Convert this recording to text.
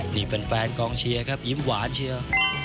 นี่แฟนกองเชียร์ครับยิ้มหวานเชียว